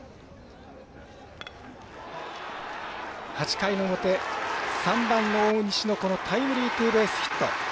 ８回の表、３番の大西のタイムリーツーベースヒット。